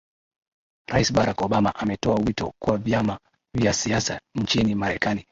rais barack obama ametoa wito kwa vyama vya siasa nchini marekani